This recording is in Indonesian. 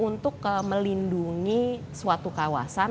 untuk melindungi suatu kawasan